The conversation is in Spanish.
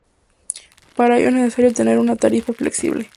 Para ello es necesario tener una tarifa flexible.